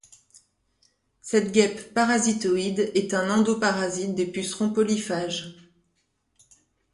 Cette guêpe parasitoïde est un endoparasite des pucerons polyphages.